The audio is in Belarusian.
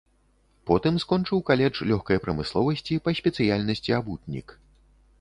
Потым скончыў каледж лёгкай прамысловасці па спецыяльнасці абутнік.